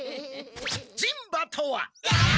人馬とは！